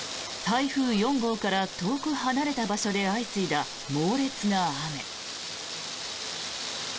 台風４号から遠く離れた場所で相次いだ猛烈な雨。